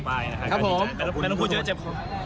ไม่ต้องพูดเจ็บ